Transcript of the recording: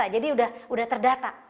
jadi kita sudah terdata